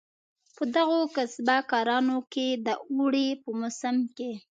په دغو کسبه کارانو کې د اوړي په موسم کې.